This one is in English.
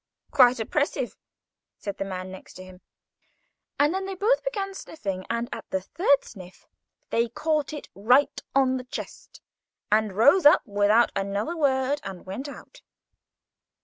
"Quite oppressive," said the man next him. And then they both began sniffing, and, at the third sniff, they caught it right on the chest, and rose up without another word and went out.